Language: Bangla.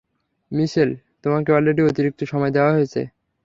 মিশেল, তোমাকে অলরেডি অতিরিক্ত সময় দেওয়া হয়েছে।